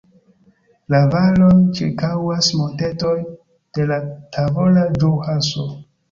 La valon ĉirkaŭas montetoj de la Tavola Ĵuraso.